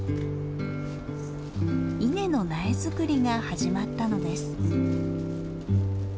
稲の苗作りが始まったのです。